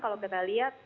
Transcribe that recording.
kalau banda lihat